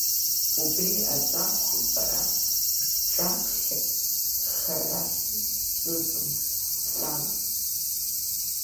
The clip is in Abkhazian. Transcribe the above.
Убри азакәхап бара бҿаԥхьа хара зсыдым, сан.